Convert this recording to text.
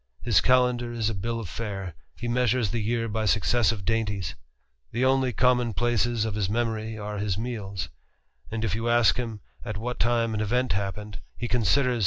His calendar is a ill of fare ; he measures the year by successive dainties, 'he only common places of his memory are his meals ; and f you ask him at what time an event happened, he considers 2o6 TBE RAMBLER.